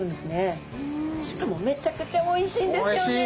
しかもめちゃくちゃおいしいんですよねえ。